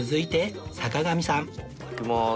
いきまーす。